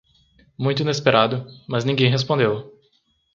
Muito inesperado, mas ninguém respondeu